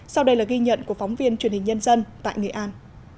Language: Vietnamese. sau đây là ghi nhận của phóng viên truyền hình nhân dân tại nghệ an